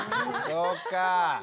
そうか。